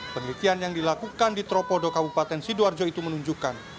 penelitian yang dilakukan di tropodo kabupaten sidoarjo itu menunjukkan